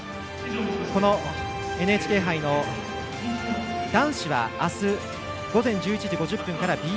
このＮＨＫ杯の男子はあす午前１１時５０分からＢＳ１で。